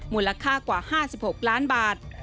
มูลค่ากว่า๕๖ล้านบาท